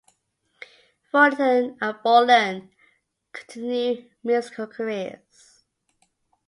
Fullerton and Bolan continued musical careers.